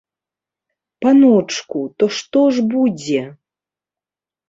Паночку, то што ж будзе?